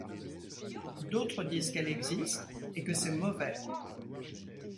D'autres disent qu'elle existe et que c'est mauvais.